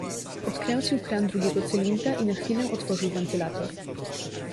"Odkręcił kran drugiego cylindra i na chwilę otworzył wentylator."